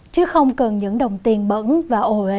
chứ không cần những đồng tiền bẩn và ổ ế